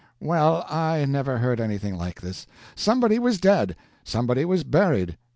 Well, I never heard anything like this. Somebody was dead. Somebody was buried.